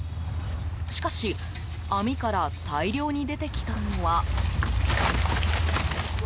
しかし網から大量に出てきたのは。